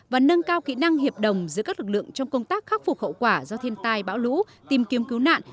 và nâng cao kỹ năng hiệp đồng giữa các lực lượng trong công tác khắc phục hậu quả do thiên tai bão lũ tìm kiếm cứu nạn